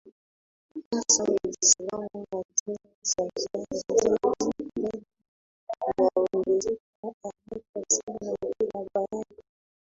hasa Uislamu na dini za jadi Idadi yao inaongezeka haraka sana Kila baada